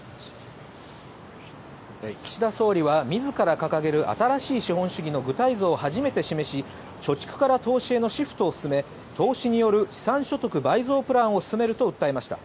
岸田総理はみずから掲げる新しい資本主義の具体像を初めて示し、貯蓄から投資へのシフトを進め、投資による資産所得倍増プランを進めると訴えました。